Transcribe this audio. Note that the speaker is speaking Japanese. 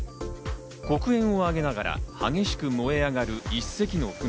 黒煙を上げながら激しく燃え上がる１隻の船。